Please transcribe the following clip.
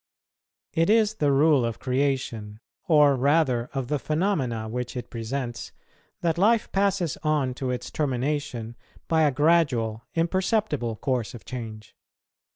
It is the rule of creation, or rather of the phenomena which it presents, that life passes on to its termination by a gradual, imperceptible course of change.